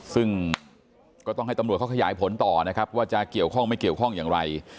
ซึ่งก็ต้องให้ตำรวจเขาขยายผลต่อนะครับว่าจะเกี่ยวข้องไม่เกี่ยวข้องอย่างไร